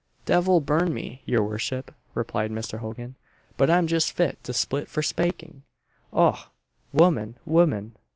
"Devil burn me! your worchip," replied Mr. Hogan "but I'm just fit to split for spaking! Och! woman, woman!